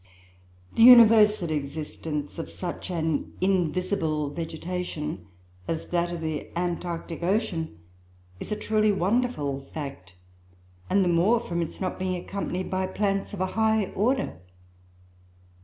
"The universal existence of such an invisible vegetation as that of the Antarctic Ocean, is a truly wonderful fact, and the more from its not being accompanied by plants of a high order.